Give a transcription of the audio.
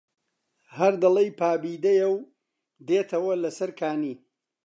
هەر دەڵێی پابێدەیە و دێتەوە لەسەر کانی